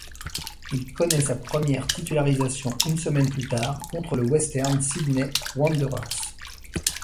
Il connait sa première titularisation une semaine plus tard contre le Western Sydney Wanderers.